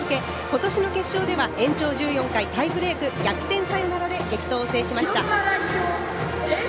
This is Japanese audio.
今年の決勝では延長１４回タイブレーク逆転サヨナラで激闘を制しました。